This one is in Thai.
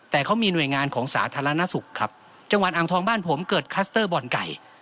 แต่เขามีหน่วยงานของสาธารณสุขครับจังหวัดอ่างทองบ้านผมเกิดคลัสเตอร์บ่อนไก่